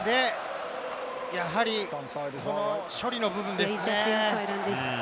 やはり処理の部分ですね。